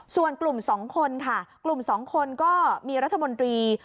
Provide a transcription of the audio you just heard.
ส่วนกลุ่ม๒คนค่ะกลุ่ม๒คนก็มีรัฐมนตรี